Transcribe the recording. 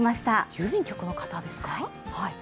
郵便局の方ですか。